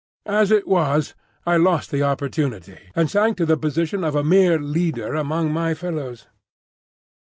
As it was I lost the opportunity, and sank to the position of a mere leader among my fellows.